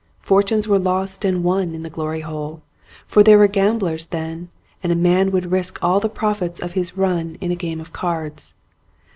Fortunes were lost and won in the Glory Hole, for they were gamblers then and a man would risk all the profits of his run in a game of cards.